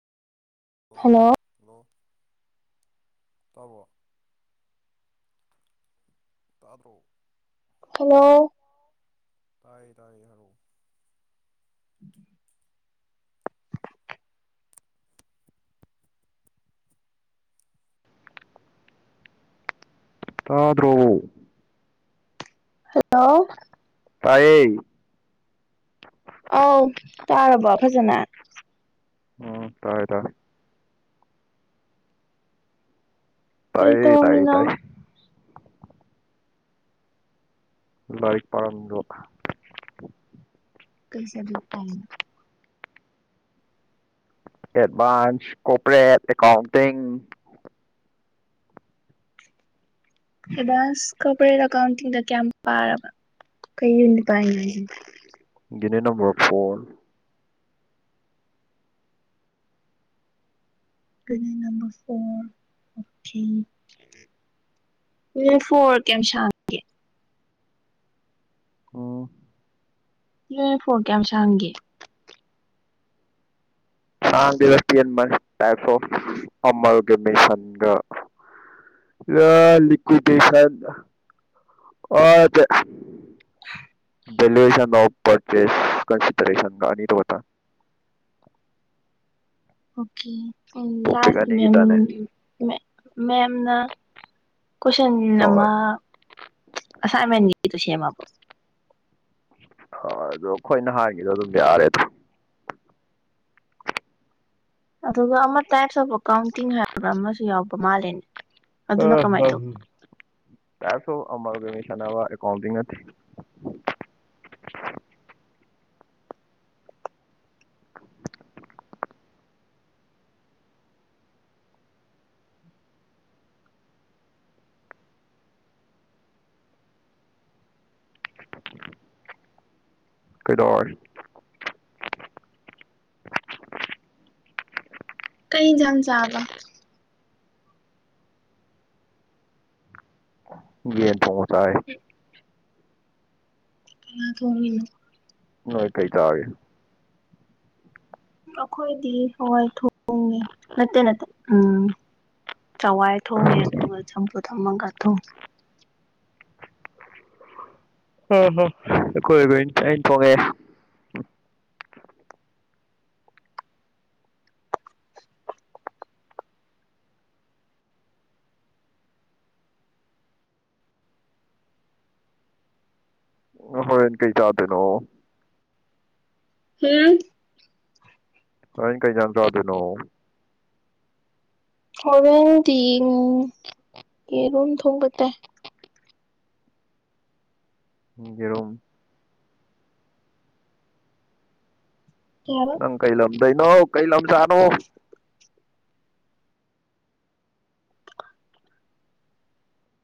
hello hello ꯇꯥꯕꯔꯣ ꯇꯥꯗꯔꯣ hello ꯇꯥꯌꯦ ꯇꯥꯌꯦ ꯍꯥꯏꯔꯛꯑꯣ ꯇꯥꯗ꯭ꯔꯣ ꯍꯂꯣ ꯇꯥꯏꯌꯦ ꯑꯥꯎ ꯇꯥꯔꯕꯣ ꯐꯖꯅ ꯎꯝ ꯇꯥꯔꯦ ꯇꯥꯔꯦ ꯀꯩ ꯇꯥꯏꯌꯦ ꯇꯥꯏꯌꯦ ꯇꯧꯔꯝꯃꯤꯅꯣ ꯇꯥꯏꯌꯦ ꯂꯥꯏꯔꯤꯛ ꯄꯥꯥꯔꯝꯃꯤꯕ ꯀꯩ ꯁꯕꯖꯦꯛ ꯄꯥꯏꯅꯣ advance corporate accounting advance corporate ꯑꯦꯀꯥꯎꯟꯇꯤꯡꯗ ꯀꯌꯥꯝ ꯄꯥꯔꯕ ꯀꯩ ꯌꯨꯅꯤꯠ ꯄꯥꯏꯅꯣ ꯍꯥꯏꯁꯦ unit number four unit number four okay unit four ꯀꯌꯥꯝꯁꯥꯡꯒꯦ ꯑꯣ ꯌꯨꯅꯤꯠ ꯐꯣꯔ ꯀꯌꯥꯝ ꯁꯥꯡꯒꯦ ꯁꯥꯡꯗꯦꯗ ꯇꯦꯟꯕꯅꯤꯥ ꯇꯥꯏꯞꯁ ꯑꯣꯐ ꯑꯃꯜꯒꯃꯦꯁꯜꯒ ꯂꯤꯀꯌ꯭ꯨ ꯗꯦꯁꯜ ꯚꯦꯔꯦꯁꯜ ꯑꯣꯐ ꯄꯔꯁꯦꯁ ꯀꯟꯁꯤꯗꯔꯦꯁꯜꯒ ꯑꯅꯤꯗꯣ ꯈꯛꯇꯅꯤ ꯑꯣꯀꯦ ꯎꯝ ꯇꯣꯄꯤꯛ ꯂꯥꯁꯀꯤ ꯃꯦꯝ ꯑꯅꯤꯒꯤꯇꯅꯦ ꯃꯦꯝꯅ ꯀꯣꯏꯁꯟ ꯍꯣꯏ ꯑꯃ ꯑꯁꯥꯏꯟꯃꯦꯟꯒꯤꯗꯨ ꯁꯦꯝꯃꯕꯣ ꯍ ꯑꯗꯣ ꯑꯩꯈꯣꯏ ꯅꯍꯥꯟꯒꯤꯗꯣ ꯑꯗꯨꯝ ꯌꯥꯔꯦ ꯑꯗꯨꯝ ꯑꯗꯨꯒ ꯑꯃ ꯇꯥꯏꯞꯁ ꯑꯣꯐ ꯑꯦꯀꯥꯎꯟꯇꯤꯡ ꯍꯥꯏꯕ꯭ꯔꯥ ꯑꯃꯁꯨ ꯌꯥꯎꯕ ꯃꯥꯜꯂꯦꯅꯦ ꯑ ꯑꯗꯨꯅ ꯀꯃꯥꯏꯅ ꯍ ꯇꯧꯒꯦ ꯇꯥꯏꯞꯁ ꯑꯣꯐ ꯑꯃꯥꯜꯒꯃꯦꯁꯜ ꯆꯥꯅꯕ ꯑꯦꯀꯥꯎꯟꯇꯤ ꯀꯩꯗꯧꯔꯤ ꯀꯩꯖꯥꯡ ꯆꯥꯕ ꯌꯦꯟ ꯊꯣꯡꯉꯥ ꯆꯥꯏꯌꯦ ꯀꯅꯥꯅ ꯊꯣꯡꯉꯤꯅꯣ ꯅꯣꯏ ꯀꯩꯆꯥꯔꯒꯦ ꯑꯩꯈꯣꯏꯗꯤ ꯍꯋꯥꯏ ꯊꯣꯡꯉꯦ ꯅꯠꯇꯦ ꯅꯠꯇꯦ ꯎꯝ ꯆꯋꯥꯏ ꯊꯣꯡꯉꯦ ꯑꯗꯨꯒ ꯆꯝꯐꯨꯠ ꯑꯃꯒ ꯊꯣꯡꯉꯦ ꯍꯝ ꯍ ꯑꯩꯈꯣꯏꯒꯤ ꯑꯩꯅ ꯊꯣꯡꯉꯦ ꯍꯣꯏꯅ ꯀꯩ ꯆꯥꯗꯅꯣ ꯍꯝ ꯍꫭꯔꯦꯟ ꯀꯩ ꯏꯟꯖꯥꯡ ꯆꯥꯗꯨꯅꫭ ꯍꫭꯔꯦꯟꯗꯤ ꯎꯝ ꯌꯦꯔꯨꯝ ꯊꫭ ꯊꯣꯡꯕ ꯇꯥꯏ ꯎꯝ ꯌꯦꯔꯨꯝ ꯀꯩ ꯍꯥꯏꯕ ꯅꯪ ꯀꯩ ꯂꯝꯗꯩꯅꯣ ꯀꯩ ꯂꯝꯖꯥ ꯅꯣ